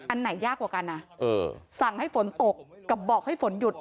อันไหนยากกว่ากันนะสั่งให้ฝนตกกับบอกให้ฝนหยุด